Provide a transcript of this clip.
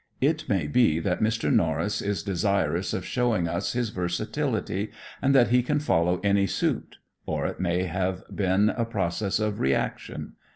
It may be that Mr. Norris is desirous of showing us his versatility and that he can follow any suit, or it may have been a process of reaction.